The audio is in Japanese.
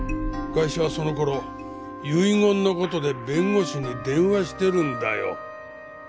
ガイシャはその頃遺言の事で弁護士に電話してるんだよ。